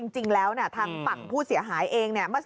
จริงแล้วนี่ทางปักผู้เสียหายเอง